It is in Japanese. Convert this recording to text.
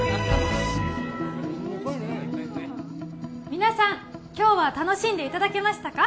皆さん今日は楽しんでいただけましたか？